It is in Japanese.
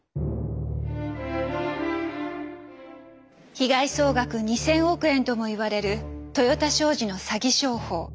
被害総額２，０００億円とも言われる豊田商事の詐欺商法。